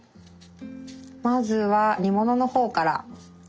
まずは煮物の方からですかね。